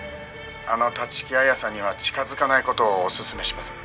「あの立木彩さんには近づかない事をおすすめします」